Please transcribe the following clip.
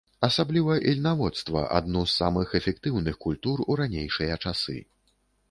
Асабліва ільнаводства, адну з самых эфектыўных культур у ранейшыя часы.